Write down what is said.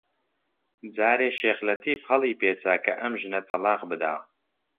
جارێ شێخ لەتیف هەڵیپێچا کە ئەم ژنە تەڵاق بدا